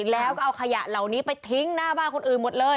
แล้วก็เอาขยะเหล่านี้ไปทิ้งหน้าบ้านคนอื่นหมดเลย